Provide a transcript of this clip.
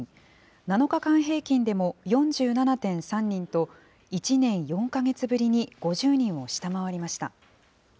７日間平均でも４７．３人と、１年４か月ぶりに５０人を下回りました。